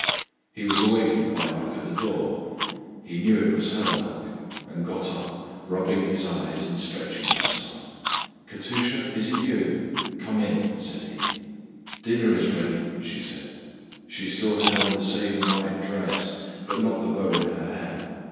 He was awakened by a knock at the door. He knew it was her knock, and got up, rubbing his eyes and stretching himself. "Katusha, is it you? Come in," said he. She opened the door. "Dinner is ready," she said. She still had on the same white dress, but not the bow in her hair.